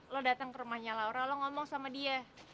lo datang ke rumahnya laura lo ngomong sama dia